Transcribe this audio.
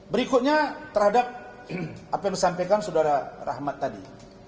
berikutnya terhadap apa yang disampaikan saudara rahmat tadi